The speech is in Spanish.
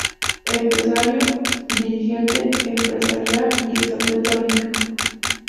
Empresario, dirigente empresarial y ex atleta olímpico.